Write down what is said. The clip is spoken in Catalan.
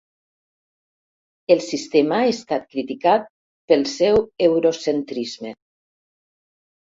El sistema ha estat criticat pel seu eurocentrisme.